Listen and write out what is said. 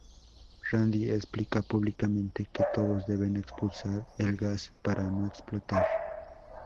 Randy explica públicamente que todos deben expulsar el gas para no explotar.